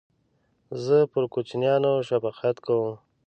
زه پر کوچنیانو شفقت کوم.